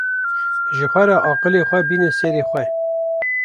Ji xwe re aqilê xwe bînin serê xwe